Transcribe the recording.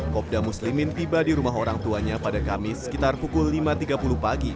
kopda muslimin tiba di rumah orang tuanya pada kamis sekitar pukul lima tiga puluh pagi